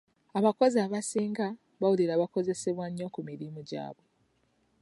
Abakozi abasinga bawulira bakozesebwa nnyo ku mirimu gyabwe.